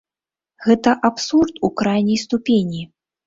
Гэта абсурд у крайняй ступені.